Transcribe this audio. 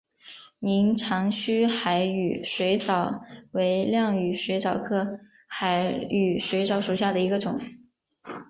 拟长须海羽水蚤为亮羽水蚤科海羽水蚤属下的一个种。